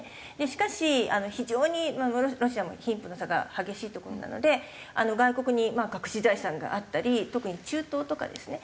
しかし非常にロシアも貧富の差が激しい所なので外国に隠し財産があったり特に中東とかですね